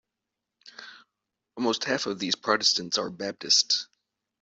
Almost half of these Protestants are Baptists.